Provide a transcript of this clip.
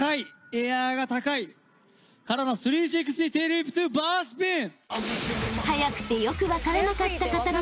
エアーが高い！からの３６０テールウィップトゥバースピン！